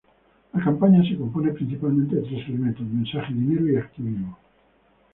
La campaña se compone principalmente de tres elementos: mensaje, dinero y activismo.